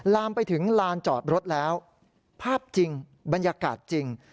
ลามไปถึงลานจอดรถแล้วภาพจริงบรรยากาศจริง